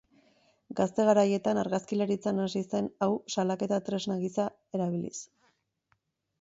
Gazte garaietan argazkilaritzan hasi zen hau salaketa tresna gisa erabiliz.